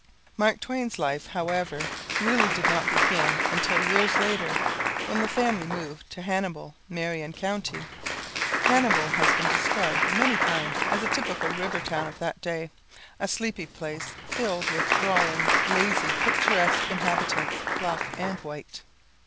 Mark Twain's life, however, really did not begin until [text unreadable] years later, when the family moved to Hannibal, Marion County. Hannibal has been described many times as a typical river town of that day, a sleepy place, filled with drawling, lazy, picturesque inhabitants, black and white.